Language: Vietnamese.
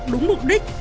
đúng mục đích